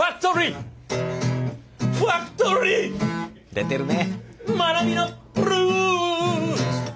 出てるね。